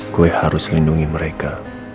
gue harus lindungi mereka